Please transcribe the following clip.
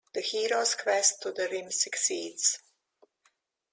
The hero's quest to the rim succeeds.